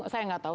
saya nggak tahu